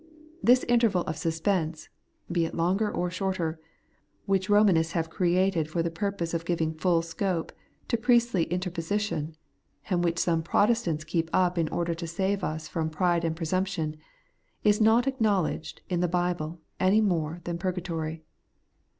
This interval of suspense (be it longer or shorter) which Eomanists have created for the purpose of giving ftdl scope to priestly interposition, and which some Protestants keep up in order to save us from pride and presumption, is not acknowledged in the Bible any more than purgatory.